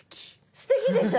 すてきでしょ？